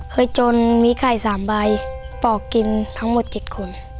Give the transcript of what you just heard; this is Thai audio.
จนมีไข่๓ใบปอกกินทั้งหมด๗คน